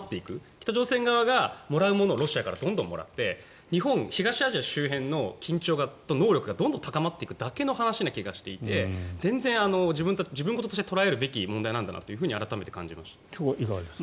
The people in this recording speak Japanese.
北朝鮮側がもらうものをロシアからどんどんもらって日本、東アジア周辺の緊張が高まるだけの話な気がして自分事と捉えるべき問題だといかがですか？